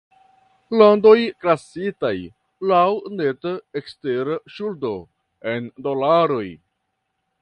Landoj klasitaj "laŭ neta ekstera ŝuldo"', en dolaroj.